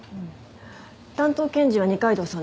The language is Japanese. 担当検事は二階堂さんなの？